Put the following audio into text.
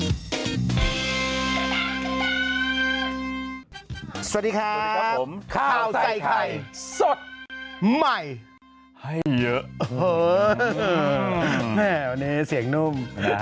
สวัสดีครับสวัสดีครับผมข่าวใส่ไข่สดใหม่ให้เยอะวันนี้เสียงนุ่ม